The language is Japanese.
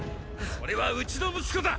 それはうちの息子だ！